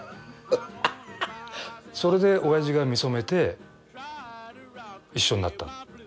それでおやじが見初めて一緒になった。